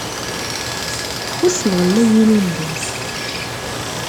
Txuṣṣ lɣella n yilindi.